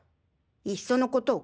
いっそのこと